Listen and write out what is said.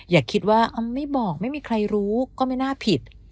อย่าคิดว่าออมไม่บอกไม่มีใครรู้ก็ไม่น่าผิด